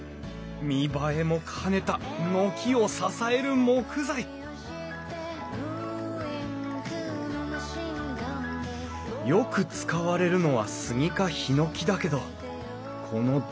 見栄えも兼ねた軒を支える木材よく使われるのはスギかヒノキだけどこの断面。